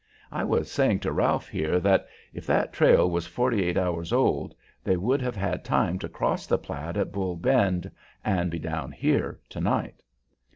I was saying to Ralph, here, that if that trail was forty eight hours old, they would have had time to cross the Platte at Bull Bend, and be down here to night."